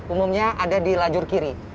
umumnya ada di lajur kiri